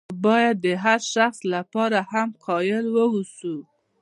نو باید د هر شخص لپاره هم قایل واوسو.